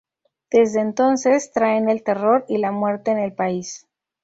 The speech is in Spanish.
Desde entonces traen el terror y la muerte en el país.